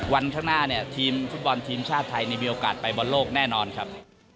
วันข้างหน้าเนี่ยทีมฟุตบอลทีมชาติไทยมีโอกาสไปบอลโลกแน่นอนครับ